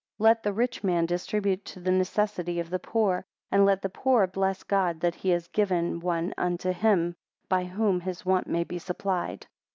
35 Let the rich man distribute to the necessity of the poor; and let the poor bless God, that he has given one unto him, by whom his want may be supplied.